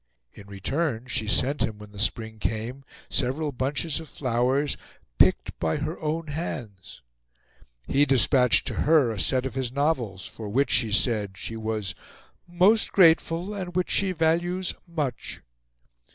In return, she sent him, when the spring came, several bunches of flowers, picked by her own hands. He despatched to her a set of his novels, for which, she said, she was "most grateful, and which she values much."